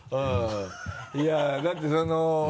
いやだってその。